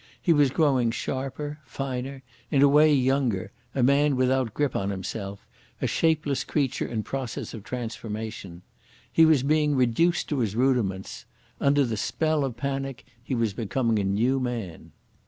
He was growing sharper, finer, in a way younger, a man without grip on himself, a shapeless creature in process of transformation. He was being reduced to his rudiments. Under the spell of panic he was becoming a new man.